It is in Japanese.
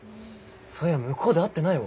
そういや向こうで会ってないわ。